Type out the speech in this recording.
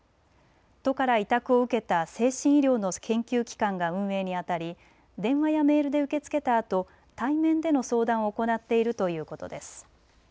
都から委託を受けた精神医療の研究機関が運営にあたり電話やメールで受け付けたあと対面での相談を行っているということです。